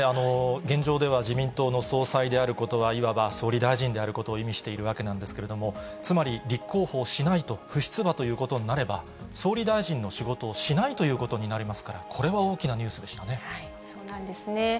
現状では自民党の総裁であることは、いわば総理大臣であることを意味しているわけなんですけれども、つまり、立候補をしないと、不出馬ということになれば、総理大臣の仕事をしないということになりますから、これは大きなそうなんですね。